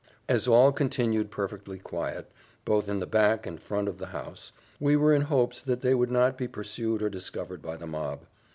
As all continued perfectly quiet, both in the back and front of the house, we were in hopes that they would not be pursued or discovered by the mob.